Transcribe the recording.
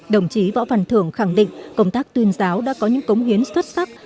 đồng chí võ văn thưởng khẳng định công tác tuyên giáo đã có những cống hiến xuất sắc